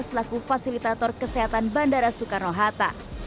selaku fasilitator kesehatan bandara soekarno hatta